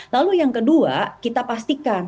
lalu yang kedua kita pastikan